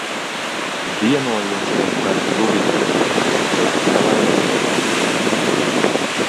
Vienojošais vai tuvinošais ir tas nelaimīgais vīruss.